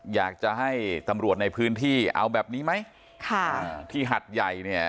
อยากจะให้ตำรวจในพื้นที่เอาแบบนี้ไหมค่ะอ่าที่หัดใหญ่เนี่ย